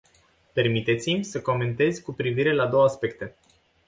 Permiteți-mi să comentez cu privire la două aspecte.